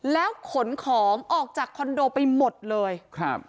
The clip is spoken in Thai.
แล้วขนของออกจากคอนโดไปหมดเลยครับ